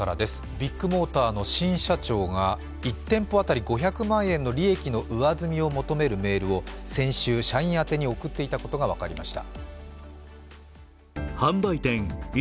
ビッグモーターの新社長が１店舗当たり５００万円の利益の上積みを求めるメールを先週、社員宛てに送っていたことがわかりました。